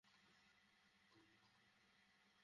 ফৌজদার, এখনই গোলাবর্ষণ বন্ধ করো।